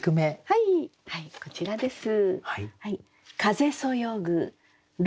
はいこちらです。